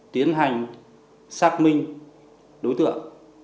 tiến hành xác minh đối tượng